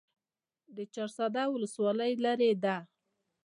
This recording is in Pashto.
د چهارسده ولسوالۍ لیرې ده